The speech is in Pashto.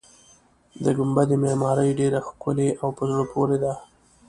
د ګنبدې معمارۍ ډېره ښکلې او په زړه پورې ده.